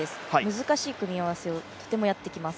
難しい組み合わせをとてもやってきます。